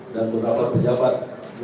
dan beberapa pejabat